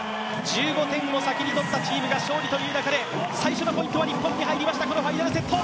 １５点を先に取ったチームが勝利という中で最初のポイントは日本に入りました、このファイナルセット。